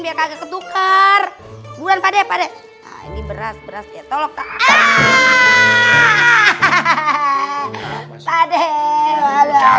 biar kagak kedukar bukan pada pada ini beras beras ya tolong tak ada